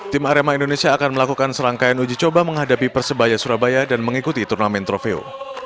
tim arema indonesia akan melakukan serangkaian uji coba menghadapi persebaya surabaya dan mengikuti turnamen trofeo